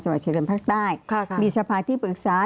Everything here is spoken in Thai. จังหวัดเฉยเรียนภักดิ์ใต้มีสภาพที่ปรึกษา